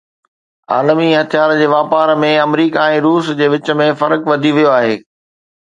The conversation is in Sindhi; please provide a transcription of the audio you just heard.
عالمي هٿيارن جي واپار ۾ آمريڪا ۽ روس جي وچ ۾ فرق وڌي ويو آهي